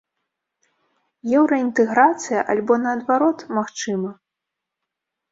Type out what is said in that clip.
Еўраінтэграцыя альбо, наадварот, магчыма?